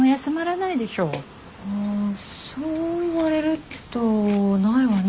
あそう言われるとないわね